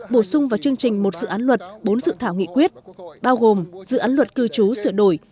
bổ sung vào chương trình một dự án luật bốn dự thảo nghị quyết bao gồm dự án luật cư trú sửa đổi